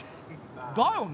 だよね。